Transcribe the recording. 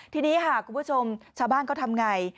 ทีนี้คุณผู้ชมชาวบ้านก็ทำอย่างไร